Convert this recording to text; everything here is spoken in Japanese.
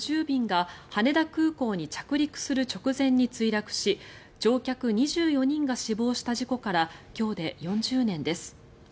便が羽田空港に着陸する直前に墜落し乗客２４人が死亡した事故から今日で４０年です。